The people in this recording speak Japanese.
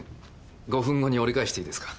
５分後に折り返していいですか。